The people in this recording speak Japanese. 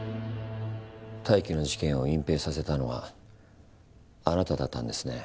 泰生の事件を隠蔽させたのはあなただったんですね。